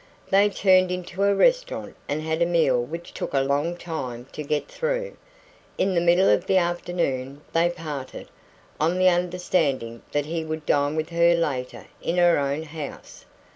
They turned into a restaurant, and had a meal which took a long time to get through. In the middle of the afternoon they parted, on the understanding that he would dine with her later in her own house.